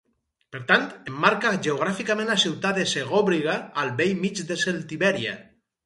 Per tant, emmarca geogràficament la ciutat de Segòbriga, al bell mig de Celtibèria.